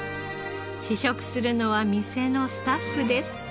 試食するのは店のスタッフです。